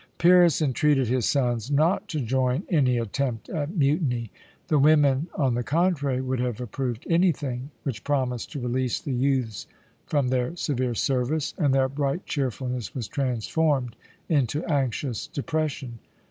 Pyrrhus entreated his sons not to join any attempt at mutiny; the women, on the contrary, would have approved anything which promised to release the youths from their severe service, and their bright cheerfulness was transformed into anxious depression.